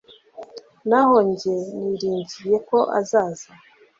naho jye niringiye ko azaza